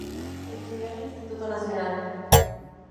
Estudió en el Instituto Nacional.